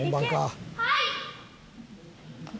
はい！